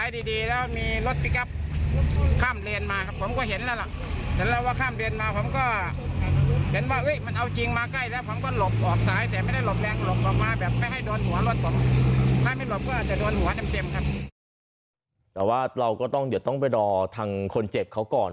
แต่ว่าเราก็ต้องเดี๋ยวต้องไปรอทางคนเจ็บเขาก่อน